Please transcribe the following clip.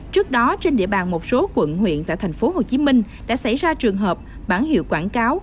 trước đó trên địa bàn một số quận huyện tại tp hcm đã xảy ra trường hợp bản hiệu quảng cáo